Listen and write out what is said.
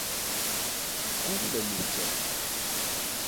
Kuble mut jam.